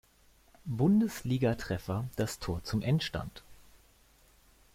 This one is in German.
Bundesligatreffer das Tor zum Endstand.